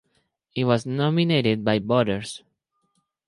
He was nominated by voters.